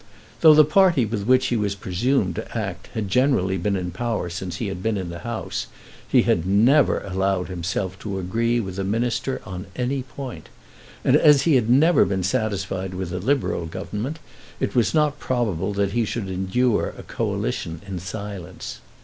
Though the party with which he was presumed to act had generally been in power since he had been in the House, he had never allowed himself to agree with a Minister on any point. And as he had never been satisfied with a Liberal Government, it was not probable that he should endure a Coalition in silence.